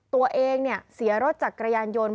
ตัวเองเสียรถจากกระยานยนต์